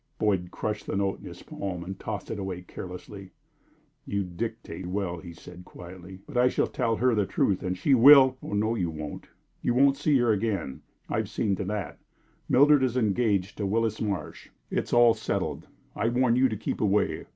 Boyd crushed the note in his palm and tossed it away carelessly. "You dictate well," he said, quietly, "but I shall tell her the truth, and she will " "Oh no, you won't. You won't see her again. I have seen to that. Mildred is engaged to Willis Marsh. It's all settled. I warn you to keep away.